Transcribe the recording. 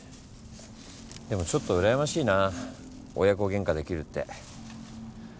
でもちょっと羨ましいな親子げんかできるって。